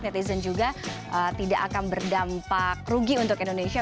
netizen juga tidak akan berdampak rugi untuk indonesia